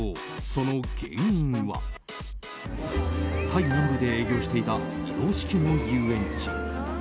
タイ南部で営業していた移動式の遊園地。